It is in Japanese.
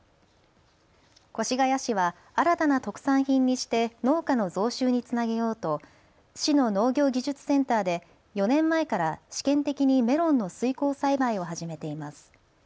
越谷市は新たな特産品にして農家の増収につなげようと市の農業技術センターで４年前から試験的にメロンの水耕栽培を始めています。